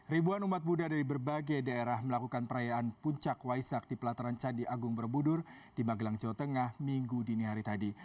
ribuan umat buddha dari berbagai daerah melakukan perayaan puncak waisak di pelataran candi agung berbudur di magelang jawa tengah minggu dini hari tadi